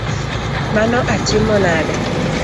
Mano atimo nade?